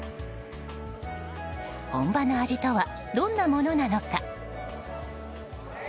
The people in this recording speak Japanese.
本場の味とはどんなものなのか。